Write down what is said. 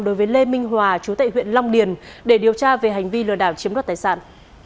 đối với lê minh hòa chú tại huyện long điền để điều tra về hành vi lừa đảo chiếm đoạt tài sản